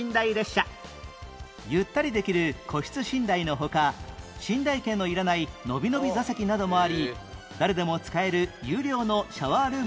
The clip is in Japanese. ゆったりできる個室寝台の他寝台券のいらないノビノビ座席などもあり誰でも使える有料のシャワールームまで完備